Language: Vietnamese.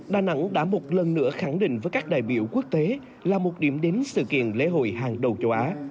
đà nẵng đã một lần nữa khẳng định với các đại biểu quốc tế là một điểm đến sự kiện lễ hội hàng đồng